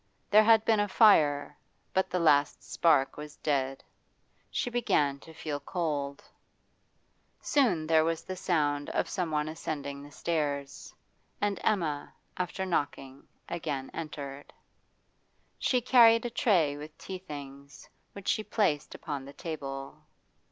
There had been a fire, but the last spark was dead. She began to feel cold. Soon there was the sound of someone ascending the stairs, and Emma, after knocking, again entered. She carried a tray with tea things, which she placed upon the table.